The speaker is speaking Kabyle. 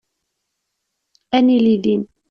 Ad nili din.